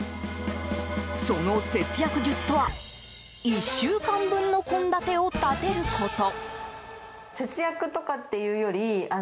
その節約術とは１週間分の献立を立てること。